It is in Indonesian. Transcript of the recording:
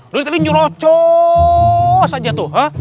dari tadi nyurocos aja tuh